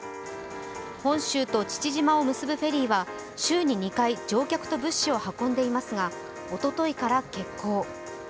本州と父島を結ぶフェリーは週に２回乗客と物資を運んでいますが、おとといから欠航。